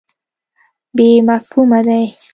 بې مفهومه دی.